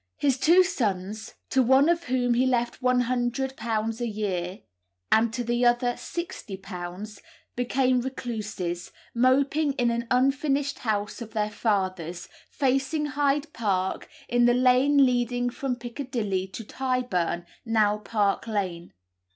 His two sons (to one of whom he left £100 a year, and to the other £60) became recluses, moping in an unfinished house of their father's, facing Hyde Park, in the lane leading from Piccadilly to Tyburn, now Park Lane.